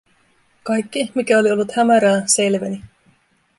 Kaikki, mikä oli ollut hämärää, selveni.